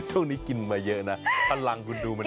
โอ้โหช่วงนี้กินมาเยอะนะพันลังคุณดูมันเยอะ